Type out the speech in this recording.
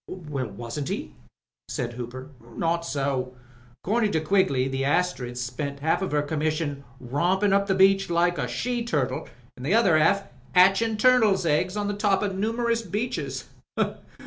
Wasn't he?" said Hooper. Not so. A^cordin' to Quigley the Astriid spent half her commission rompin' up the beach like a she turtle, an' the other half patching turtles' eggs on the top o' numerous reefs.